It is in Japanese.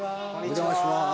お邪魔します。